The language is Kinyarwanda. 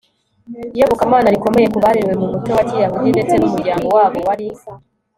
iyobokamana rikomeye kuko barerewe mu muco wa kiyahudi ndetse n'umuryango wabo wari